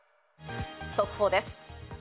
速報です。